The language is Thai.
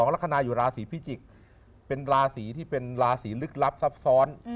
ลักษณะอยู่ราศีพิจิกษ์เป็นราศีที่เป็นราศีลึกลับซับซ้อน